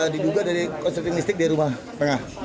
diduga dari korsleting listrik di rumah tengah